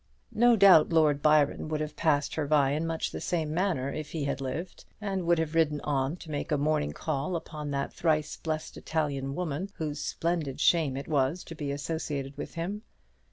No doubt Lord Byron would have passed her by in much the same manner if he had lived: and would have ridden on to make a morning call upon that thrice blessed Italian woman, whose splendid shame it was to be associated with him.